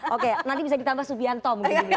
oke nanti bisa ditambah subianto mungkin